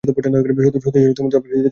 সত্যিই তোমার সবকিছুতেই চমক।